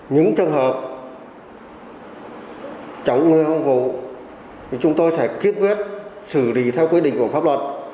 những trường hợp chống người công vụ thì chúng tôi sẽ kiên quyết xử lý theo quy định của pháp luật